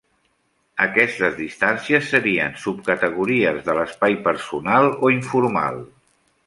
Aquestes distàncies serien subcategories de l'espai personal o informal.